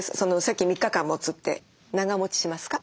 さっき３日間もつって長もちしますか？